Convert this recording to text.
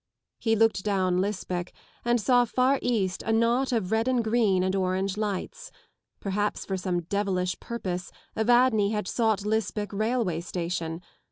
He looked down Lisbech and saw far east a knot of red and green and orange lights. Perhaps for some devilish purpose Evadne had sought Lisbech railway station.